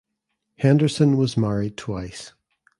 Henderson was married twice.